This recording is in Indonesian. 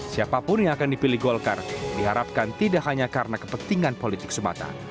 siapapun yang akan dipilih golkar diharapkan tidak hanya karena kepentingan politik semata